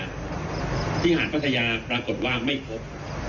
ที่หาดพัทยาปรากฏว่าไม่พบ